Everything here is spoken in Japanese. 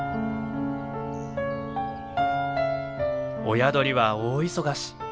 親鳥は大忙し。